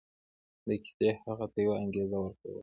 دې کيسې هغه ته يوه انګېزه ورکوله.